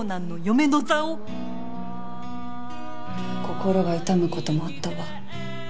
心が痛むこともあったわ。